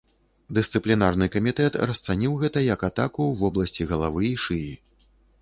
Дысцыплінарны камітэт расцаніў гэта як атаку ў вобласці галавы і шыі.